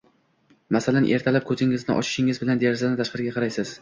Masalan, ertalab koʻzingizni ochishingiz bilan derazadan tashqariga qaraysiz.